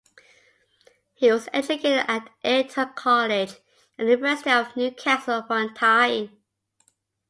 He was educated at Eton College and the University of Newcastle upon Tyne.